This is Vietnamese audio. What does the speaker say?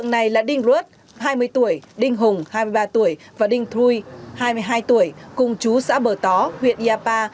này là đinh ruất hai mươi tuổi đinh hùng hai mươi ba tuổi và đinh thui hai mươi hai tuổi cùng chú xã bờ tó huyện iapa